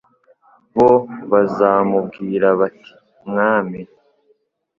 bo bazamubwira bati Mwami